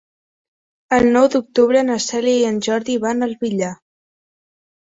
El nou d'octubre na Cèlia i en Jordi van al Villar.